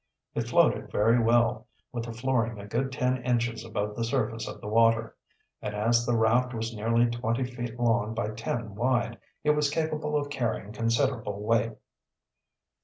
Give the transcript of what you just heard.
It floated very well, with the flooring a good ten inches above the surface of the water, and as the raft was nearly twenty feet long by ten wide, it was capable of carrying considerable weight.